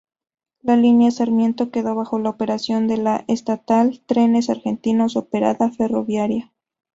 La línea Sarmiento quedó bajo la operación de la estatal Trenes Argentinos Operadora Ferroviaria.